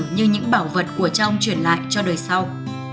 như những bảo vật của cháu chuyển lại cho đời sau